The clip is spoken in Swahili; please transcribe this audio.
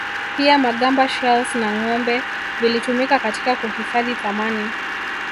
Pia magamba shells na ngombe vilitumika katika kuhifadhi thamani